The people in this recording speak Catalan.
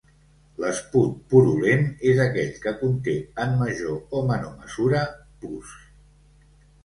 L'esput purulent és aquell que conté, en major o menor mesura, pus.